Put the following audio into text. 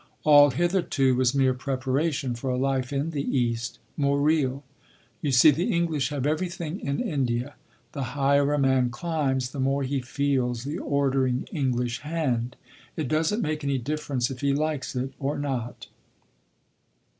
All hitherto was mere preparation for a life in the East, more real. You see the English have everything in India. The higher a man climbs the more he feels the ordering English hand. It doesn’t make any difference if he likes it or not.